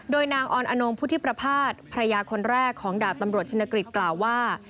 โดยนางออนอนงพุทธิประพาทภรรยาคนแรกของดาบตำรวจชินกฤษกล่าวว่า